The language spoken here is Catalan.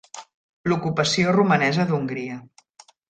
L'ocupació romanesa d'Hongria.